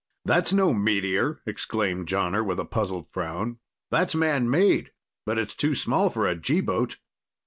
"That's no meteor!" exclaimed Jonner with a puzzled frown. "That's man made. But it's too small for a G boat."